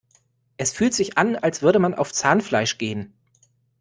Es fühlt sich an, als würde man auf Zahnfleisch gehen.